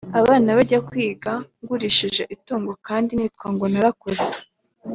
abana bajya kwiga ngurishije itungo kandi nitwa ngo narakoze